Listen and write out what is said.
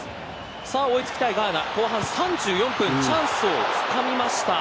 さあ追い付きたいガーナ後半３４分チャンスをつかみました。